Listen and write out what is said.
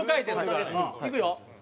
いくよ。